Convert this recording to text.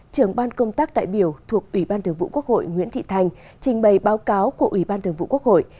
trưởng ban công tác đại biểu thuộc ủy ban thường vụ quốc hội nguyễn thị thành trình bày báo cáo của ủy ban thường vụ quốc hội